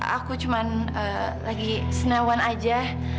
aku cuma lagi senewan aja